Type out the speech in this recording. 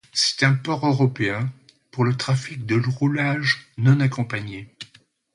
C'est un port européen pour le trafic de roulage non accompagné.